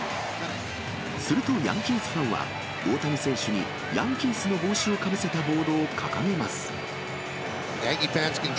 すると、ヤンキースファンは、大谷選手にヤンキースの帽子をかぶせたボードを掲げます。